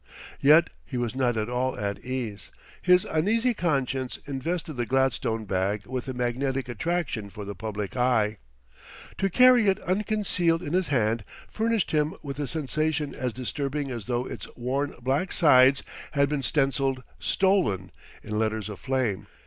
Yet he was not at all at ease; his uneasy conscience invested the gladstone bag with a magnetic attraction for the public eye. To carry it unconcealed in his hand furnished him with a sensation as disturbing as though its worn black sides had been stenciled STOLEN! in letters of flame.